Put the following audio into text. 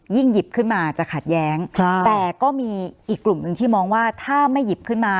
หยิบขึ้นมาจะขัดแย้งแต่ก็มีอีกกลุ่มหนึ่งที่มองว่าถ้าไม่หยิบขึ้นมา